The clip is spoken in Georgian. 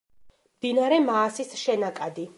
მდინარე მაასის შენაკადი.